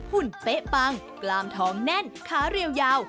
ุ่นเป๊ะปังกล้ามท้องแน่นขาเรียวยาว